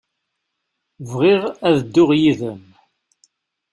Bɣiɣ ad dduɣ yid-m.